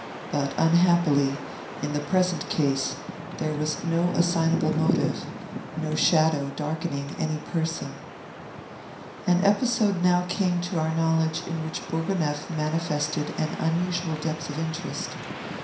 But, unhappily, in the present case there was no assignable motive, no shadow darkening any person. An episode now came to our knowledge in which Bourgonef manifested an unusual depth of interest.